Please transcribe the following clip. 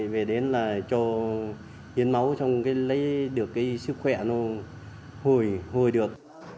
về đến là cho hiến máu lấy được sức khỏe hồi được